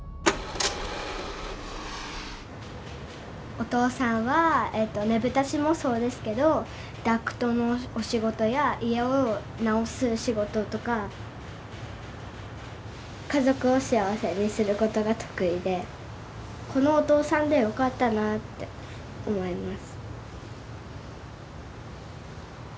お父さんはねぶた師もそうですけどダクトのお仕事や家を直す仕事とか家族を幸せにすることが得意でこのお父さんで良かったなって思います